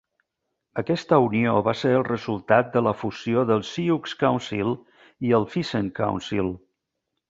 Aquesta unió va ser el resultat de la fusió del Sioux Council i el Pheasant Council.